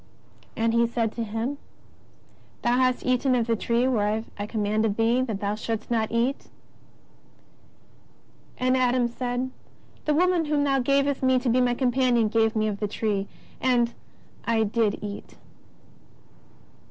And He said to him: Thou hast eaten of the tree whereof I commanded thee that thou shouldst not eat. And Adam said : The woman whom Thou gavest me to be my companion gave me of the tree and I did eat.